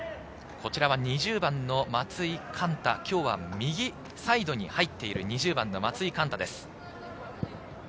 こちらは２０番の松井貫太、今日は右サイドに入っている２０番の松井貫太です。